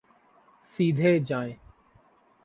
سیدھے جائیے